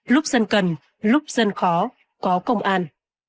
lúc dân cần lúc dân khó có công an